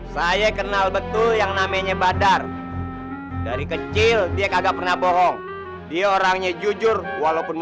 saya kenal betul yang namanya badar dari kecil dia kagak pernah bohong dia orangnya jujur walaupun